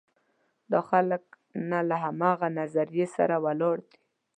دا خلک نه له همغه نظریې سره ولاړ دي.